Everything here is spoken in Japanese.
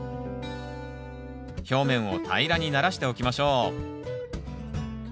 表面を平らにならしておきましょう。